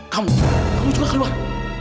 kamu kamu juga keluar